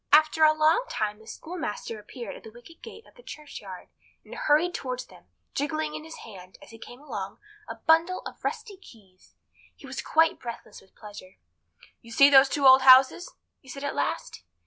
* After a long time the schoolmaster appeared at the wicket gate of the churchyard, and hurried towards them, jingling in his hand, as he came along, a bundle of rusty keys. He was quite breathless with pleasure. "You see those two old houses?" he said at last.